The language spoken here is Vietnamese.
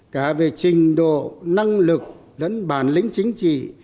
cả về trình độ năng lực đến bản lĩnh chính trị